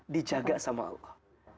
dijaga sama allah